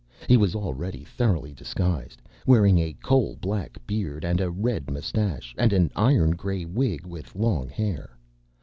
He was already thoroughly disguised, wearing a coal black beard and a red mustache and an iron gray wig with long hair.